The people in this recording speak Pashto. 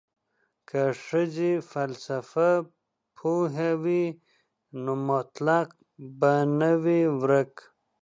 که ښځې فلسفه پوهې وي نو منطق به نه وي ورک.